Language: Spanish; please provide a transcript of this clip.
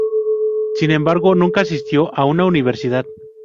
Sin embargo, nunca asistió a una universidad.